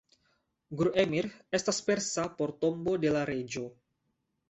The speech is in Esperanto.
Gur-Emir estas persa por "Tombo de la Reĝo".